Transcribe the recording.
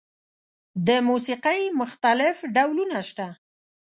د موسیقۍ مختلف ډولونه شته.